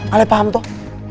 ale paham toh